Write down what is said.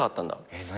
えっ何？